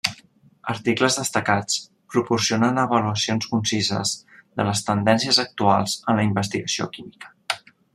Articles destacats proporcionen avaluacions concises de les tendències actuals en la investigació química.